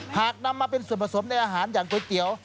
หากนำมาเป็นส่วนผสมในอาหารอย่างก๋วยเตี๋ยว